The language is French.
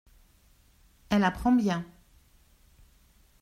Elle apprend bien.